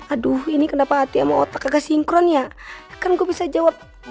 aduh ini kenapa hati sama otak agak sinkron ya kan gue bisa jawab